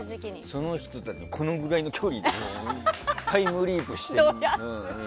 その人たちにこのくらいの距離でタイムリープして。